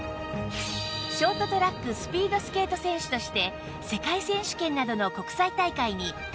ショートトラックスピードスケート選手として世界選手権などの国際大会に多数出場